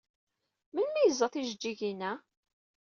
Melmi ay yeẓẓa tijeǧǧigin-a?